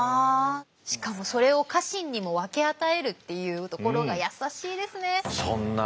しかもそれを家臣にも分け与えるっていうところが優しいですね。